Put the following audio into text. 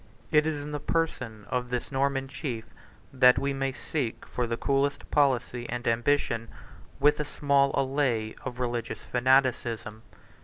It is in the person of this Norman chief that we may seek for the coolest policy and ambition, with a small allay of religious fanaticism.